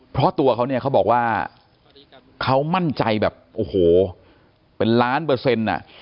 เพราะตัวเขาเนี่ยเขาบอกว่าเขามั่นใจแบบโอ้โหเป็นล้านเปอร์เซ็นต์อ่ะ